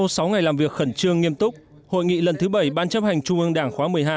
sau sáu ngày làm việc khẩn trương nghiêm túc hội nghị lần thứ bảy ban chấp hành trung ương đảng khóa một mươi hai